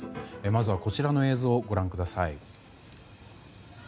まずはこちらの映像をご覧ください。